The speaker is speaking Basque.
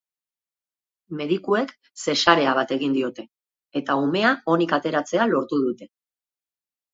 Medikuek zesarea bat egin diote eta umea onik ateratzea lortu dute.